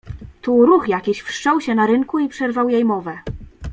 "Tu ruch jakiś wszczął się na rynku i przerwał jej mowę."